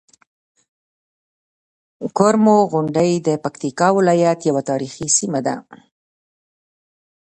کرمو غونډۍ د پکتيکا ولايت یوه تاريخي سيمه ده.